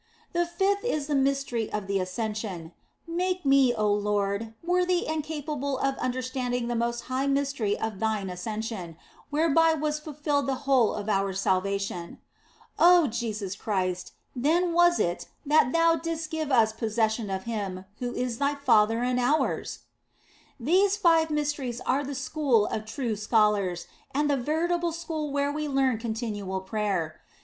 " The fifth is the mystery of the Ascension. Make me, oh Lord, worthy and capable of understanding the most high mystery of Thine Ascension, whereby was fulfilled 256 THE BLESSED ANGELA the whole of our salvation. Oh Jesus Christ, then was it that Thou didst give us possession of Him who is Thy Father and ours !" These five mysteries are the school of true scholars, and the veritable school where we learn continual prayer.